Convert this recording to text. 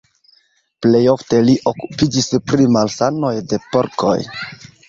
Plej ofte li okupiĝis pri malsanoj de porkoj.